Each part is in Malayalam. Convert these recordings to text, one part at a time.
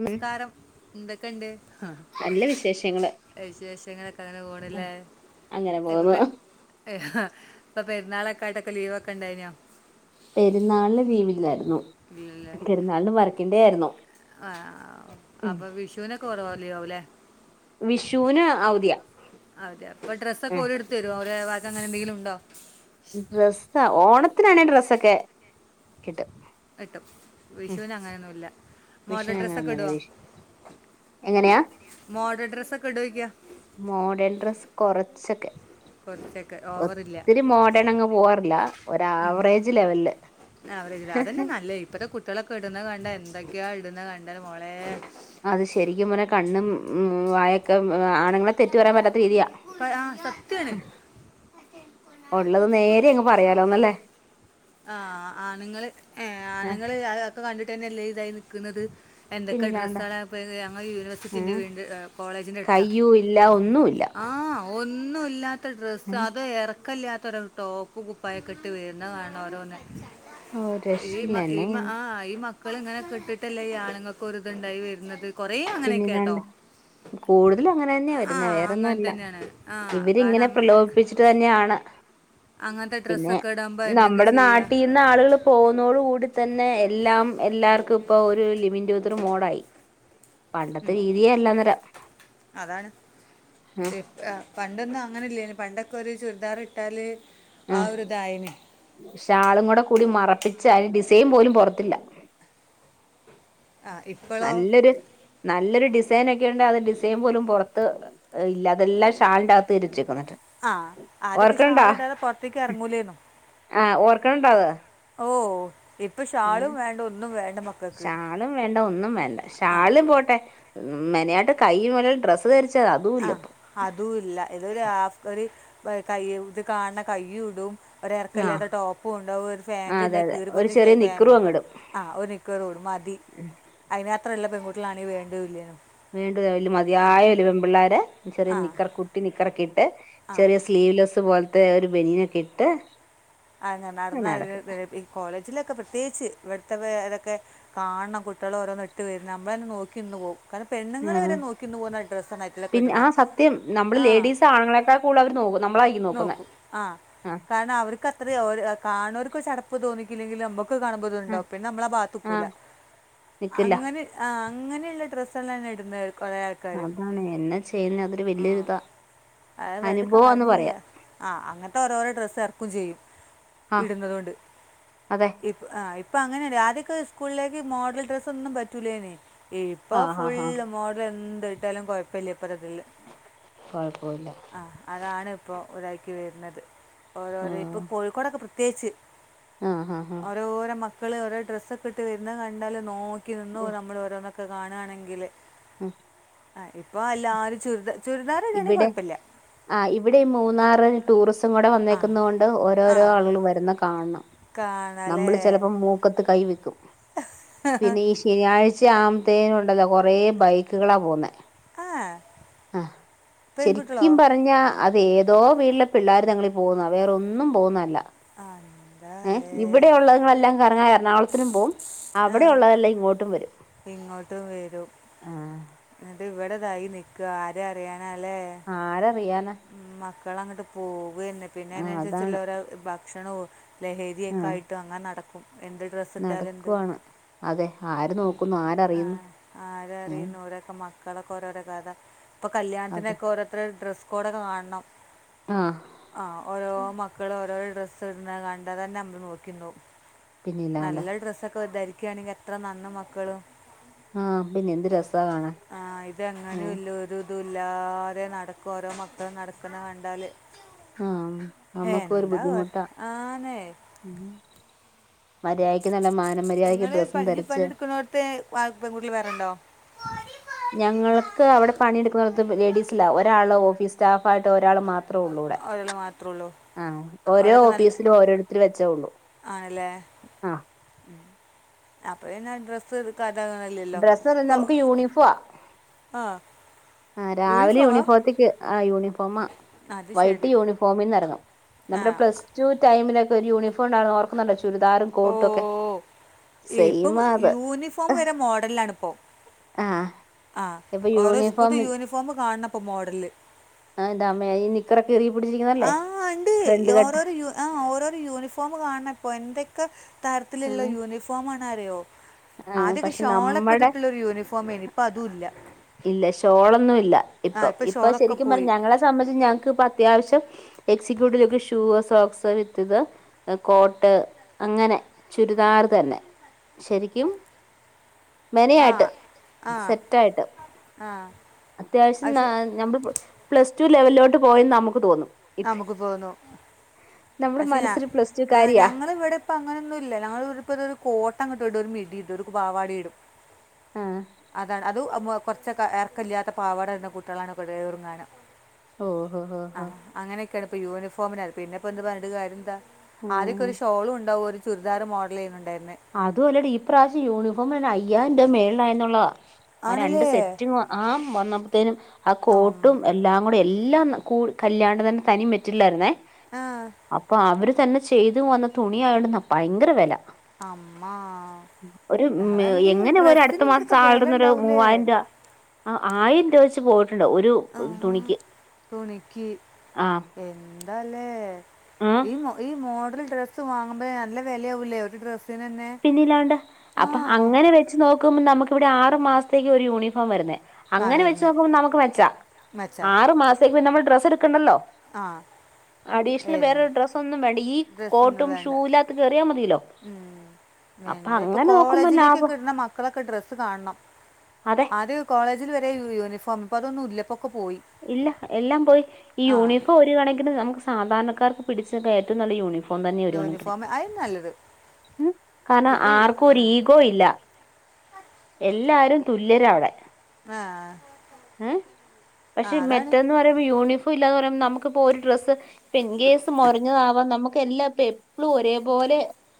ഉം സ്കാരം എന്തൊക്കെണ്ട് ആ നല്ല വിശേഷങ്ങള് വിശേഷങ്ങളൊക്കെ അങ്ങനെ പോണ്ല്ലേ അങ്ങനെ ഇപ്പൊപ്പ പോകുന്നു ഇപ്പൊ പെര്ന്നാളൊക്കൊയിട്ടൊക്കെ ലീവൊക്കെ ണ്ടായിനോ? പെരുന്നാൾന് ലീവില്ലായിര ഇല്ലേ ആയിരുന്നു ആഹ് ഉം അപ്പൊ വിഷുനെ കുറവല്ലോ അല്ലേ വിഷുന് അതെ ഡ്രസ്സ്ക്കെ ഓരെടുത്തരൊ രൈ വ ക്കങ്ങനെ എന്തെങ്കിലും ഉണ്ടോ ഡ്രസ്സ് ഓണത്തിനാണെങ്കിൽ ഡ്രസ്സൊക്കെ കിട്ടും കിട്ടും വിഷുന് അങ്ങനെയൊന്നുല്ല വിഷങ്ങനല്ല വിഷ് എങ്ങനെയാ മോഡൽ ഡ്രസ്സൊക്കെ ഇടുവയ്ക്കുക മോഡേൺ ഡ്രസ്സ് കൊറ ച്ചൊക്കെ കുറച്ചൊക്കെ ഓവറില്ല ഒത്തിരി മോഡേൺ അങ്ങ് പോവാറില്ല ഒ ആവറേജ് ലെവല് ഹ് ഹ് കുട്ടളൊക്കെ ഇടുന്നത് കണ്ടാ എന്തൊക്കെയാ ഇടുന്നത് കണ്ടാൽ മോളെ അത് ശരിക്കും പറനെ കണ്ണും ഉ വായൊക്കെ ആണുങ്ങളെ തെറ്റ്ു പറയാൻ പറ്റാത്ത രീതിയാണ് ആ സത്യാണ് ഉള്ളത് നേരെ അങ്ങ് പറയാലോന്നല്ലേ ആ ആണുങ്ങള്ൾ ആഏ ആണുങ്ങള് ഒക്കെ കണ്ടിട്ട്ന്നെല്ലേ ഇതായി നിൽക്കുന്നത് എന്തൊക്കെ അ പിന്നിലാണ്ട ഡ്രസ്സ ആണ് ഞങ്ങൾ യൂണിവേഴ്സിറ്റിറെ ഏഹ് വീണ്ട കോളേജിന്റെ എടുത്താ കയ്യും ഇല്ല ഒന്നുല്ല ആ ഒന്നുംല്ലാത്ത ഏഹ് ഡ്രസ്സ് അത് എറ ക്കല്ലാത്തൊര ടോപ്പ് കുപ്പായൊക്കെ ഇട്ട് വീരുന്ന കാണോഓരോന്നെ രശ ലെന എ മക്കളിങ്ങനെ കെട്ടിട്ടല്ലേ ഈ ആളുങ്ങൾക്ക ഒ ഇതുണ്ടായി വരുന്നത് കുറേ അങ്ങനെ കേട്ടോ പിന്നെന്നണ്ട കൂടുതല അങ്ങനെ തന്നെയാ ആ വരുന്ന അങ്ങനെ വേറെന്താ തന്നെയാണ് ആ ഇവരി കാരണം ഇങ്ങനെ അങ്ങ- പ്രലോഭിപ്പിച്ചിട്ട് തന്നെയാണ് അങ്ങനത്തെ പിന്നെ ഡ്രസ്സൊക്കെ ഇടുമ്പോൾ എന്തൊക്കെ നമ്മുടെ ചെയ്യുക നാട്ടിൽന്ന് ആളുകൾ പോകുന്നോടുകൂടി തന്നെ എല്ലാം എല്ലാർക്കും ഇപ്പൊ ഒരു ലിമിന്റ്ത മോഡായി പണ്ടത്തെ ഉം രീതിയേ അല്ലന്നേരം അതാണ് ആ പണ്ടൊന്നും അങ്ങനെല്ല പണ്ടൊക്കെ കൊറി ചൂർദാ ട്ടാല് ആ ഷാളും കൂടെ കൂടി മറപ്പി ഡിസൈൻ പോലും പൊറത്തില്ല ആ ഇപ്പോഴോ നല്ലൊരു നല്ലൊരു ഡി ഡിസൈൻ ഒക്കെ ഉണ്ട അത് ഡിസൈൻ പോലും പുറത്ത് ഇല്ല തെല്ലാം ഷാൾഡ് ആത്ത് തിരിച്ചു ആഹ് ആരൊക്കെഷാള ഇണ്ടതെ പൊറത്തേക്ക് ഇറങ്ങൂലേന്നു ആ ഓ ഇപ്പൊ ആ ഷാളും വേണ്ട ഒന്നും വേണ്ട മക്കൾക്ക് ശാളും വേണ്ട ഒന്നും വേണ്ട ശ ആ ഷാളും പോട്ടെ മെനയാണ്ട് കൈ മുലൽ ഡ്രസ്സ് ധച്ചു ആഹ് അതും ഇല്ല ഏതൊരു [unintelligible] കൈ ഇത് കാണണ കൈ്യ ഇടും ഒ ആഹ് ഇറക്കല്ലാത്ത ടോപ്പും ഉണ്ടാവും ഒരു ആ ഫാൻറ് അതെ ഉണ്ടാവ അതെ കീറി ഒരു പോഞ്ഞ ചെറിയ ഫാറ് നിക്കറും ഉണ്ടും അങ്ങിടും ആ് ഒരു നിക്കറോടും മതി അതിന് മാത്രല്ല പെൺകുട്ട ക്കളാണ്ങ്ക വേണ്ട ഇല്ല വേണ്ട വല മതിയായ വെൺപിള്ളോരെ ചറിയ ആ നിക്കറ കുട്ടി നിക്കറൊക്കെ ഇ ആ ചെറിയ സ്ലീവ് ലെസ്സ് ത് പോലത്തെ ഒരു ബെനിയനൊക്കെ ഇട്ട് ആന്നെ നടന്ന് നടക്കും [unintelligible] കോളേജിലൊക്കെ പ്രത്യേയിച്ച് ഇവ [unintelligible] ഇതൊക്കെ കാണണം കുട്ട്യേളോരോന്ന് ഇട്ട് വരുന്നെ നമ്മളന്നെ നോക്കിന്ന് പോവും കാരണം പെണ്ണുങ്ങള് ആഹ് വരെ നോക്കിന്ന് പോവുന്ന ഡ്രസ്സണ് അയ്റ്റളൊക്കെ പിന്നെ ആ ഇട്ന്നെ. സത്യം നമ്മള് ആ ലേഡീസ് ആണുങ്ങളെക്കാൾ കൂടുതൽ അവര് നോക്കും നമ്മളായിരിക്കും നോക്കുന്നെ നോക്കും ആ ആഹ് കാരണം അവര് അത്രെ ഓര് ആ കാണോര്ക്കൊരു ചടപ്പ് തോ ന്നികില്ലെങ്കില് നമ്മ ക്ക് ആഹ് കാണുമ്പത്ണ്ടാവും പിന്നെ നമ്മളാ ഭാത്ത്ക്കൂല ആഹ് നിക്കില്ല അങ്ങനെ ആഹ് അങ്ങനെള്ള ഡ്രസ്സെളെന്നെ ഇട്ന്നെ അതാണ് എന്നാ ചെയ്യുന്നെ അതൊരു വല്ല്യൊരുതാ അവ് പറഞ്ഞിട്ട് കാര്യൊന്നില്ല. ആഹ് അങ്ങത്തെ ഓരോരൊ ഡ്രസ്സ് എറക്കും ചെയ്യും. ആഹ് ഇടുന്നതോണ്ട് അതെ ഇപ്പൊ ആ ആ ഇപ്പൊ അങ്ങനെല്ലെ ആദ്യൊക്കെ സ്കൂളിലേക്ക് മോഡൽ ഡ്രസ്സൊന്നും പറ്റൂലേനി ഇപ്പൊ ആഹ് ആഹ് ആഹ് ഫുള്ള് മോഡൽ എ ത് ഇട്ടാലും കൊഴപ്പല്ലെ ത്രതില്ല കൊഴപ്പവില്ല ആഹ് അതാണ്പ്പൊ ഒരാക്കി വര്ന്നത് ഓരോറീപ്പ് ആഹ് കോഴിക്കോടൊക്കെ പ്ര ത്യേച്ച് ആഹ് ഹാ ഹാ ക്കള് ഓരോ ഡ്രസ്സൊക്കെട്ട് വരുന്ന കണ്ടാല് നോ ക്കി നിന്നോവും നമ്മള് ഓരോന്ന ക്ക കാണണെങ്കില് ആഹ് ആ ഇപ്പൊ അല്ലാരും ചുരിദാ ചുരിദാറിടണെ കൊഴ ഇവിടെ ആ ഇവിടെ ഈ മൂന്നാറ് ടൂറിസ് ട് ഇവടെ ആ വന്നേക്കുന്നോണ്ട് ആ ഓരോരോ ആളെള് വരുന്ന കാണണം കാണാല്ലേ നമ്മള് ചെലപ്പോ മൂക്കത്ത് കൈ വെക്കും പിന്നെ ഈ ശനിയാഴ്ച ആവു ത്തേനുണ്ടല്ലൊ കൊറേ ബൈക്ക്കളാ പോവുന്നേ ആ ആഹ് പെൺകുട്ടികളോ ശരിക്കും പറഞ്ഞ അത് ഏതോ വീട്ടിലെ പിള്ളേർ ങ്ങളിൽ പോകുന്നാണ് വേറൊന്നും പോകുന്നതല്ല ആ എന്താ ഏ അല്ലേ ഇവിടെ ഉള്ളങ്ങളെല്ലാം കറങ്ങറ എറണാകളത്തിനും പോകും ആ അവിടെ ഉള്ളതെല്ലാം ഇങ്ങോട്ടും വരും ഇങ്ങോട്ടും വരും ആ എന്നിട്ട് ഇവിടെ തായി നിൽക്കുക ആര അറിയൻ ആരറിയാന മക്കള അങ്ങോട്ട് പോകും ഉന്നെ പിന്നെ ആ അതാണ് അതിനനുസരിച്ചുള്ളാക്ക കക്ഷണവും ആ ലഹരിയൊക്ക ആയിട്ട് അങ്ങനെ നട എന്ത് ഡ്രസ്സ് ഇട്ടാല എന്ത് നടക്കുവാണ് അതെ ആര് നോക്കുന്നു ആ ആരറിയുന്നു ആര ഏ അറിയുന്നു രൊക്കെ മളക്ക ഓരോടെ കഥ ഇപ്പൊ അതെ കല്യാത്തിനൊക്കെ രോരു ഡ്രസ് കോഴിക്കോട് ഒക്കെ കാണണം ആ ആഹ ഓരോ മക്കൾ ഓരോ ഡ്രസ്സ് ഇടുന്നത് കണ്ട തന്നെ നമ്മർ നോക്കിക്കുന്നു പിന്നില്ലാണ്ട് നല്ല ഡ്രസ്സൊക്കെ വതായിരിക്ക ക്കയാണെങ്കിൽ എത്ര നന്ന മക്കള് ആപിന്നെ എന്ത് രസ കാണാ ഉം അതുല്ലാാരെ നടാകും ഇപ്പോൾ ഓരോ മക്കളും നടക്കണ ക ണ്ടാൽ ആഹ നമ്മക്ക് ഒരു പറ ബുദ്ധിമുട്ടാ മര്യാദയ്ക്ക് നല്ല മാനം മര്യാദയ്ക്ക് നിങ്ങള് ഡ്രസ്സും പനിച ധരിച്ച് പണി എടുക്കുന്നോടത്തെ പെൺകുട്ടികള വേറേണ്ടോ ഞങ്ങൾക്ക് അവിടെ പണിയെടുക്കുന്ന ലേഡീസല്ല ഒരാള് ഓഫീസ് സ്റ്റാഫ് ആായിട്ട് ഒരാൾ മാത്ര ഒരാൾ മാത്രേ ഉള്ളൂ ഓരോ അവരൊക്കെ നല്ല ഓഫീസിലും ഓരോരുത്തര് വെച്ചേ ഉള്ളൂ ആണല്ലേ ആഹ് അപ്പാപിന്നെ ഡ്രസ്സ് എടുക്ക ഡ്രസ്സ്ന്ന് ഇല്ല നമുക്ക് യൂണിഫോം ആ ആഹ ആ രാവിലെ യൂണിഫോമത്തേക്ക് ആ യൂണിഫോം അത് വൈകിട്ട് ശരി യൂണിഫോമിൽന്ന് ഇറങ്ങണം ആ നമ്മുടെ പ്ലസ് ടു ടമിലൊക്ക ഒരു യൂണിഫോമ് ഓർക്കുന്നുണ്ടോ ചുരിദാറും ഓ കോട്ടോക്കെ ഇപ്പം സെയിമാ അത് യൂണിഫോം വരെ മോഡലിലാണ് ഇപ്പോൾ ആഹ് ആ ഇപ്പൊ ഓരോ സ്കൂളിത്തെ യൂണിഫോം യൂണിഫോമ് കാണപ്പ മോഡല് ആഹ് ന്റെ അമ്മെയ് ഈ നിക്കറക്കെ ആഹ് ഇണ്ട് ഓരോരു യ ആഹ് ഓരോരു യൂണിഫോം കാണണ അപ്പോൾ എന്തൊക്കെ തരത്തിലുള്ള യൂണിഫോം ന്നറിയോ ആഹ പക്ഷെ നമ്മുടെ യൂണിഫോം ആയിരുന്നു ഇപ്പം അതുമില്ല ഇല്ല ഷോളൊന്നും ഇല്ല ആ ഇപ്പൊ ഇപ്പം ഇപ്പൊ ഷോളൊക്കെ ശരിക്കും പോയി പറഞ്ഞ ഞങ്ങളെ സംബന്ധിച്ച് ഞങ്ങക്ക് ഇപ്പ അത്യാവശ്യം executive look shoe socks with coat അങ്ങനെ ചുരിദാർ തന്നെ ശരി ക്കും ആ മെനയായിട്ട് ആ സൊറ്റായിട്ട് ആ അത്യാവ ശ്യം പക്ഷെ ന ലെവൽലോട്ട് പോയെന്ന് നമുക്ക് തോന്നും ഇപ്പ നമുക്ക് തോന്നുന്നു നമ്മുടെ പക്ഷെ ഞ മനസ്സില് പ്ലസ് ടു കാരിയാ ഞങ്ങ ഇവിടെപ്പ അങ്ങനൊന്നുംല്ല ഞങ്ങ ഇവിടെപ്പ ഇ കോട് [unintelligible] മിഡി ഇടും ഒരു പാവാടയ്യും ഇടും ആഹ് അതാണ് അത് അതും കുറച്ചക്കെ ഏർക്കല്ലാത്ത പാവട ഇടുന്ന കൂട്ടളാണ് ഇവടെ [unintelligible] ഓഹ് ഓഹ് ഓഹ് അങ്ങനൊക്കെയാണ് ഇപ്പോ യൂണിഫോമിന പിന്നെപ്പോൾ എന്ത് പറഞ്ഞിട്ട് കാര്യന്താ ആദ്യോക്കൊ ആഹ് ഒരു ഷോളും ഉണ്ടാവും ഒരു ചു [unintelligible] മോഡൽ ചെയ്യുന്നുണ്ടായിരുന്നു അതുമല്ല ഈ പ്രാവശ്യ യൂണിഫോ ഫോമിന് അയ്യായിരം രൂപ മേളില എന്നുള്ള ആ രണ്ട് ആണല്ലേ സെറ്റ് ആ വന്നപ്പോത്തേനും ആ ഉം. കോട്ടും എല്ലാം കൂടെ എല്ലാം കൂ കല്യാണ്ടെ തന്നെ തനി മെറ്റീരിയൽ ആയിരുന്നേ ആ അപ്പൊ അവര് തന്നെ ചെയ്തു വന്ന തുണിയായെന്ന ഭയങ്കര വില അമ്മ ഒരു ഉം അത ഈ എങ്ങനെ പോയാലും അടുത്ത ഡ്രെസ്സിന് മാസം എന്തൊക്കെ വില സാലറിന്നൊരു ഉണ്ടാവൂലേ മൂവായിരം രൂപ ആ ആയിരം രൂപ വെച്ച് പോ ആ തുണിക്കി ആ എന്താലേ ആ ഈ [unintelligible] ഡ്രസ്സ് വാങ്ങ്മ്പേ നല്ല വിലയാകൂലേ ഒരു ഡ്രസ്സ് പിന്നെല്ലാണ്ട് അപ്പൊ അങ്ങനെ വെച്ച് നോക്കുമ്പോൾ നമുക്ക് ഇവിടെ ആറ് മാസത്തേക്ക് ഒരു യൂണിഫോം വരുന്നത് ആ അങ്ങനെ വെച്ച് വരുന്നത് നോക്കുമ്പോ നമുക്ക് മെച്ച മച്ചാ ആറു മാസ നമ്മൾ ഡ്രസ് എടു ക്ക്ണ്ടല്ലോ ആ അഡിഷണൽ വെറെ ഒന്നും വേണ്ടല്ലോ ഈ ഡ്രസ്സൊന്നും കോട്ടും ഷോയില് കേറിയാൽ മതിയല്ലോ തിലോ എന്ത പ്പൊ കോളേജിലേക്കൊക്കെ ഇട്ണ മക്കളൊക്കെ ഡ്രസ് കാണണം അതെ ആദ്യ കോളേജിൽ വരെ യൂണിഫോം പതൊന്നുല്ലപ്പ ഇല്ല എല്ലാം പോയി ഈ ആ യൂണിഫോം ഒരു കണക്കിന് നമുക്ക് സാധാരണക്കർക്ക് പിടിച്ചൊക്ക ഏറ്റവും നല്ല യൂണഫ് ഇപ്പം തന്നെ ഒര് കണക്കിന് യൂണിഫോം അത് നല്ലത് ഉം കാരണം ഇപ്പൊ യു- ആർക്കും ആ ഒരു ഈഗോ ഇല്ല എല്ലാരും തുല്യരാ അവിടെ. ആ, ആ, പക്ഷെ അതാണ് മെറ്റന്ന് പറയുമ്പോ യൂണഫോ ഇപ്പ ഇല്ലാന്നു പറയു നമുക്കിപ്പോ ഒരു ഡ്രസ്സ് ഇപ്പെ ഇൻകേസ് മുറഞ്ഞതാവാൻ നമുക്ക് എല്ലാം ഇപ്പ എപ്പളും ഒരേപോലെ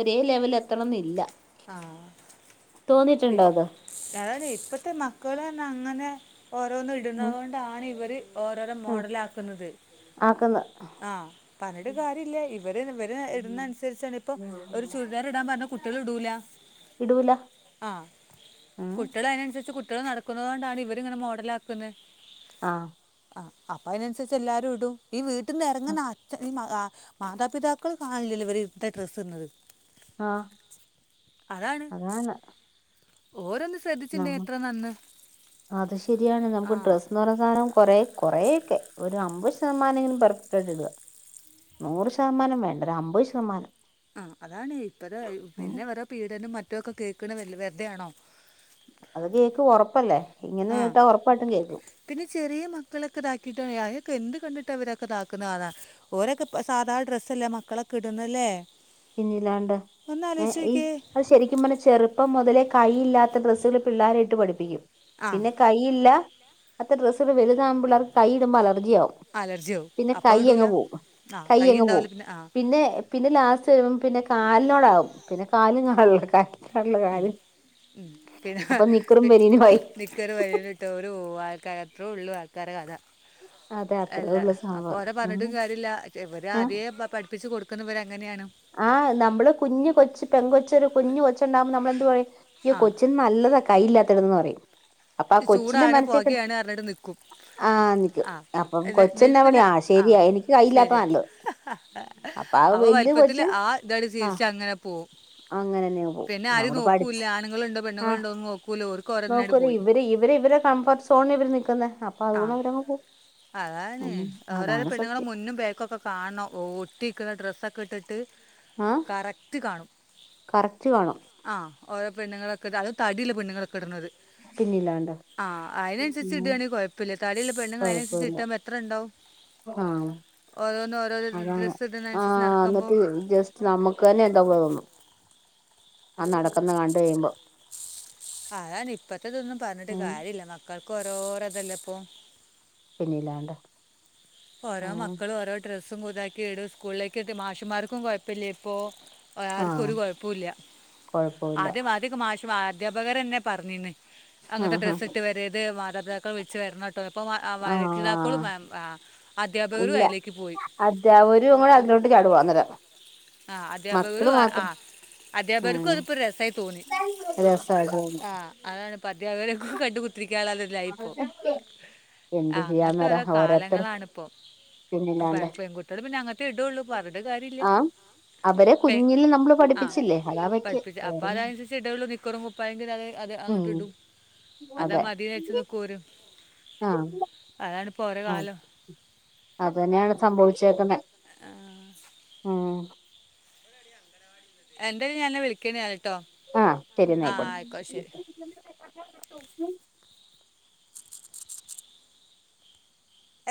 ഒരേ ലെവലിൽ എത്തണംന്നില്ല. ആഹ് തോന്നിയിട്ടുണ്ടോ അത് അതാണേ ഇപ്പഴത്തെ മക്കൾ തന്നെ അങ്ങനെ [unintelligible] ഓരോന്നും ഉം. ഇടുന്നതുകൊണ്ടാണ് ഇവര് ഓരോരോ ഉം. മോഡലാക്കുന്നത്. ആക്കുന്ന ആ പറഞ്ഞിട്ട് കാര്യമില്ല. ഇവര് ഇവര് ഇടുന്നനുസരിച്ചാണ് ഇപ്പോ ഒരു ചുരിദാർ ഇടാൻ പറഞ്ഞ കുട്ടികൾ ഇടൂല. ഇടൂല ആഹ് ഏ കുട്ടികൾ അതിനനുസരിച്ച് കു ക്കൾ നടക്കുന്നത് കൊണ്ടാണ് ഇവർ ഇങ്ങനെ മോഡലാക്കുന്നേ. ആഹ് അപ്പൊ അതിനനുസരിച്ച് എല്ലാരും ഇടും. ഈ വീ ട്ടിന്ന് ഇറങ്ങുന്നച്ച ഇ മ മാതാപിതാക്കൾ കാണലില്ലല്ലോ ഇത്ത ഡ്രസ്സ് ഇടുന്നത്. ആഹ് അതാണ് ഓര് അന്ന് അത് ശരിയാണ് ആ നമുക്ക് ഡ്രസ്സ്ന്ന് പറഞ്ഞ സാധനം കൊറെ കൊറെ ഒരു അമ്പത് ശതമാനങ്കിലും പെർഫെക്ട് ആയിട്ട് ഇടുക നൂറ് ശതമാനം വേണ്ട ഒരു അമ്പത് ശതമാനം ആ അതാണ് ഇപ്പത് ഉം പിന്നെ ഇവരെ പീഡനും മറ്റ ചറ്റക്കെ കേൾക്കണ വെറുതയാണോ അത് കേക്ക് ഒറപ്പല്ലേ ഇങ്ങനെ ആഹ് കേട്ടാ ഒറപ്പായിട്ടും കേക്കും പിന്നെ ചെറിയ മക്കളൊക്കെ ഇതാക്കിട്ട് അയ് എന്ത് കണ്ടിട്ട് അവരൊക്കെ താക്കുന്നതാ ഓരൊക്കെ സാധഡ്രസ്സല്ലേ മക്കളൊക്കെ ഇടുന്നല്ലേ പിന്നില്ലാണ്ട് ഒന്ന് ഏ ആലോചിച്ച് ഈ നോക്കിയേ അത് ശരിക്കും പറഞ്ഞെ ചെറുപ്പം മൊതലേ കൈയില്ലാത്ത ഡ്രസ്സുകള് പിള്ളേരെയിട്ട് പഠിപ്പിക്കും ആ പിന്നെ കൈയില്ല ത്ത ഡ്രസ്സില് വലുതാമ്പിള്ളാർക്ക് കൈയിടുമ്പ അല തിയാവും അലർജി ആവും പിന്നെ അപ്പോൾ കയ്യ് ഇടൂല അങ്ങ് പോകും ആ കൈ കയ്യങ്ങു ഉണ്ടാവില്ല പോകും ആ പിന്നെ പിന്നെ ലാസ്റ്റ് തരുമ്പ പിന്നെ കാലിനോടാകും പിന്നെ കാലും കാണുല പിന്നെ അപ്പൊ നിക്കറും ബനിയനുമായി നിക്കറ് വനിയനുട്ടൊരു പോവും പോ ആൾക്കാര അത്ര ഉള്ളൂ ആൾക്കാര കഥ അതെ അത്രേ അല്ല ഉള്ളൂ സംഭവം അപ്പൊരെ പറഞ്ഞിട്ടും ഉം കാര്യമില്ല ഇവര് ആദ്യേ പഠിപ്പിച്ച് കൊടു [unintelligible] ആ നമ്മള് കുഞ്ഞ് കൊച്ച് പെൺ കൊച്ച് ഒരു കുഞ്ഞ് കൊച്ചുണ്ടാവുബോ നമ്മളെന്ത് പറയും അയ്യോ ആ കൊച്ചിന്ന് നല്ലതാ കൈയില്ലാത്തത് പറയും അപ്പൊ ആ കൊച്ചിന്റെ ചൂടാണ് മനസ്സെ പുകയാണ് പറഞ്ഞിട്ട് നിൽക്കും ആ നിക്ക് ആ അപ്പൊ എന്നി- എന്നിട്ട് കൊച്ചെന്ന പിന്നെ അവിടെയാ ആ ശരിയ എനിക്ക് കയ്യില്ലാത്ത ശരിയാ നല്ലത് അപ്പ ആ അപ്പോൾ വല്യ കൊ വലിപ്പത്തിൽ ആ ഇതണ്ട് ശീലിച്ചങ്ങനെ പോകും അങ്ങനെന്നെ പോവും പിന്നെ ആരും നമ്മള് നോക്കൂല്ല ആണുങ്ങളുണ്ടോ പെണ്ണുൾണ്ടോ എന്ന് നോക്കു ഉലോ നോക്കൂ ഇവര് ഇവ ഇവർ ഇവരെ കംഫർ്ട്ട് സോണി ഇവർ നിക്കുന്നെ. അപ്പൊ ആ അതുകൊണ്ട് അവരങ് പോ അതാണ് ഓരോരോ പെണ്ണുങ്ങളെ മുന്നും ബേക്കൊക്കെ കാണണം ഓട്ടി [unintelligible] ഡ്രസ്സൊക്കെ ഇട്ടിട്ട് ആഹ് കറക്റ്റ് കാണും കറക്റ്റ് കാണും ആഹ് ഓരോെ പെണ്ണുങ്ങളൊക്കെ അത് തടി ഇള്ള പെണ്ണുങ്ങള് കിടണത്, പിന്നില്ലാണ്ട് ആ അതിനനുസരിച്ച് ഉം ഇടാണെങ്കി കൊഴപ്പില്ല, തടിയുള്ള പെണ്ണുങ്ങള് അതനുസരിച്ച് കൊഴപ്പമില്ല ആഹ് ഓരോന്ന് ഓരോരോ അതാണ് ഡ്രസ്സ് ഇടുന്നതനുസരിച്ച് ആഹ് നടക്കുമ്പോൾ എന്നിട്ട് ജസ്റ്റ് നമുക്ക് തന്നെ എന്തോക്കെ തോന്നും. ആ നടക്കന്ന് കണ്ടു കയുമ്പോ. അതാണ് ഇപ്പത് ത്തതൊന്നും പറഞ്ഞിട്ട് ഉം കാര്യല്ല മ ക്കൾക്ക് ഓരോരോ ഇതല്ലേ ഇപ്പോ പിന്നില്ലാണ്ടെ ഓരോ മക്കള് ഓരോ ഡ്രസ്സ് ഉം ഇതാക്കീടും സ്കൂളിലേക്കൊക്കെ മാഷ്മാർക്കും കൊഴ പ്പലെ പ്പോ ആഹ് ആർകോരുകൊയ്പുല്ലാ കൊഴപ്പമില്ല അദ്യം അദിയൊക്കെ മാഷ് റ്റുവാധ്യാപകരന്നെ പറഞ്ഞിന്ന് ആഹ് അങ്ങത്തെ ആഹ് ഡ്രസ്സ് ഇട്ട് വരത് മാതാപിതാക്കൾ വിളിച്ച് വരണട്ടോ ഇപ്പൊ [unintelligible] ആഹ് രക്ഷിതാക്കളും മ ആ അധ്യാപകരും ഇല്ല അതിലേക്ക് പോയി ആദ്യപകരും കൂടെ അതിലോട്ട് ചാടുവാനേരം ആ അധ്യാപകര് ആ അധ്യാപകർക്കും ഉം അതിപ്പ ഒരു രസായി തോന്നി രസായിട്ട് തോന്നും ആ അതാണ് ഇ [unintelligible] കണ്ട് [unintelligible] യിപ്പോ എന്ത് അങ്ങത്ത ചെയ്യാന്നറ ഓരോ ഓരോരുത്തർ കാലങ്ങളാണ് ഇപ്പോ ബ പിന്നില്ലാണ്ട് പെകുട്ടെള് പിന്നെ അങ്ങത്തെ ഇടോള്ളൂ പർഞ്ഞിട്ട്ക്കാര്യല്ല. ആ അവരെ പെ കുഞ്ഞില് നമ്മള് ആ പഠിപ്പിച്ചില്ലേ അതാ പറ്റിയ പഠിപ്പ്ച്ച് അപ്പ വേറൊന്നും അതയിസച്ച് ഇട നിക്കറുംപ്പ അതെ അങ്ങട്ട് ഉം ഇടും അതമതി യച്ച് തക്കൂരും ആഹ ആ അതന്നെയാണ് സംഭവിച്ചേക്കുന്ന. ആ എന്റെ ഞാനെ വിളിക്ക്ണ് ഞാന് ആ ശരിന്നായിക്കോട്ടെ.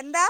എന്താ